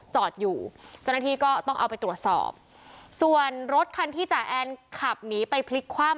จอดอยู่เจ้าหน้าที่ก็ต้องเอาไปตรวจสอบส่วนรถคันที่จ่าแอนขับหนีไปพลิกคว่ำ